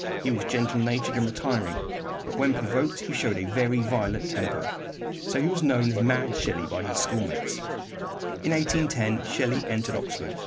He was gentle natured and retiring; but when provoked he showed a very violent temper. So he was known as "Mad Shelley" by his schoolmates. In 1810 Shelley entered Oxford.